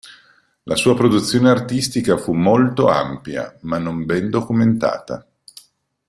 La sua produzione artistica fu molto ampia, ma non ben documentata.